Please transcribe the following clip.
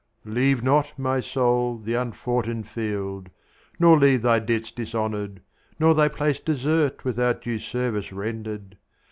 Leave not, my soul, the unfoughten field, nor leave Thy debts dishonoured, nor thy place desert Without due service rendered.